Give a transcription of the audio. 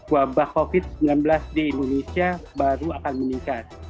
wabah covid sembilan belas di indonesia baru akan meningkat